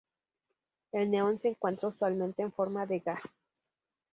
El neón se encuentra usualmente en forma de gas.